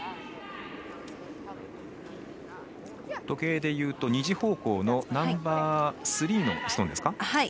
時計でいうと２時方向のナンバースリーのストーンですか。